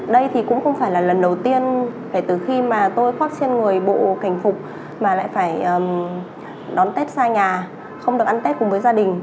đây thì cũng không phải là lần đầu tiên kể từ khi mà tôi khoác trên người bộ cảnh phục mà lại phải đón tết xa nhà không được ăn tết cùng với gia đình